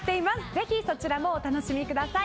ぜひ、そちらもお楽しみください。